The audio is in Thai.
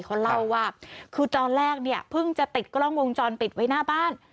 เขาเล่าว่าคือตอนแรกเนี่ยเพิ่งจะติดกล้องวงจรปิดไว้หน้าบ้าน